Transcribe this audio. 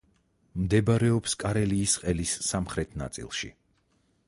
მდებარეობს კარელიის ყელის სამხრეთ ნაწილში.